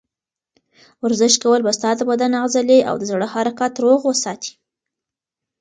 ورزش کول به ستا د بدن عضلې او د زړه حرکت روغ وساتي.